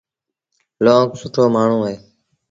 لونگ سُٽو مآڻهوٚݩ اهي۔